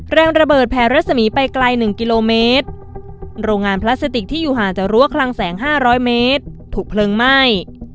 แรงระเบิดแผลรัศมีไปไกล๑กิโลเมตรโรงงานพลาสติกที่อยู่ห่างจากรั้วคลังแสง๕๐๐เมตรถูกเพลิงไหม้